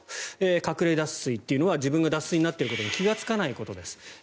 隠れ脱水というのは自分が脱水になっていることに気付かないことです。